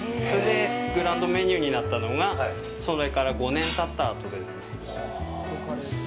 それで、グランドメニューになったのがそれから５年たった後です。